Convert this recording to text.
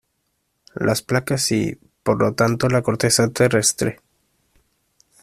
las placas y... por lo tanto la corteza terrestre ...